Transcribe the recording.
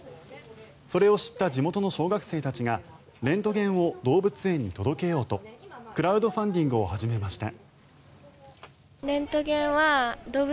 それを知った地元の小学生たちがレントゲンを動物園に届けようとクラウドファンディングを始めました。